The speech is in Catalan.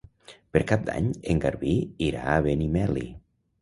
Per Cap d'Any en Garbí irà a Benimeli.